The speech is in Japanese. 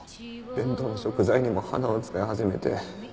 弁当の食材にも花を使い始めて。